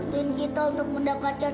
bantu kita untuk mendapatkan